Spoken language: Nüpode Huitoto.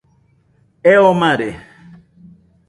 Eo mare